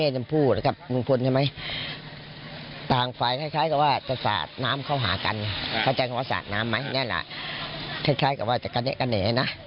ใจแหละคล้ายกันว่าจะกำแชกกำแหน๋นะ